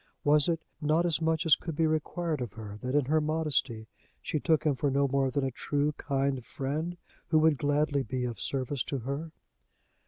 Was it not as much as could be required of her, that, in her modesty, she took him for no more than a true, kind friend, who would gladly be of service to her?